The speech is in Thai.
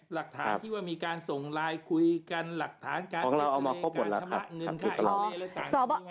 หลักฐานที่ว่ามีการส่งไลน์คุยกันหลักฐานการเก็บเฉยการชมะเงินค่ะอะไรแล้วต่างมีไหม